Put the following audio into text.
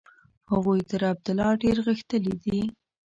هغوی تر عبدالله ډېر غښتلي دي.